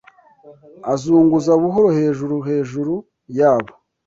azunguza buhoro hejuru Hejuru yabo